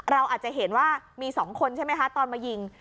เราอาจจะเห็นว่ามี๒คนใช่ไหมคะตอนมายิง